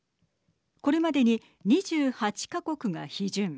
これまでに２８か国が批准。